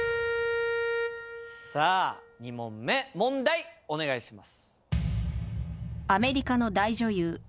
さあ２問目問題お願いします。